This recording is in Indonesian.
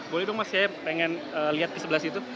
boleh dong mas saya pengen lihat ke sebelah situ